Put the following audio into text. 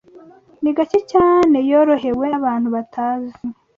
Ni gake cyane yorohewe n'abantu batazi.